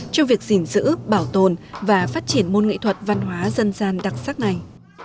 trong việc gìn giữ bảo tồn và phát triển môn nghệ thuật văn hóa dân gian đặc sắc này